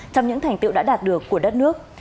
trong những thành tiệu đã đạt được của đất nước